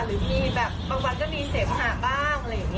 หรือมีแบบบางวันก็มีเสมหะบ้างอะไรอย่างนี้